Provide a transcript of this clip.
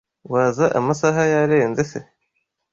Waza amasaha yarenze se?